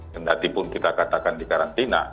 tidak tiba tiba kita katakan di karantina